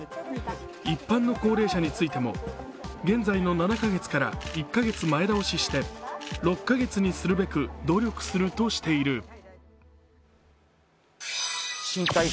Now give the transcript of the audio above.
一般の高齢者についても現在の７カ月から１カ月前倒しして６カ月にするべく努力するとしている。